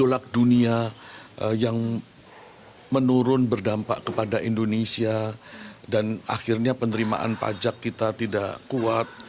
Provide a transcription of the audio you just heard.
gelak dunia yang menurun berdampak kepada indonesia dan akhirnya penerimaan pajak kita tidak kuat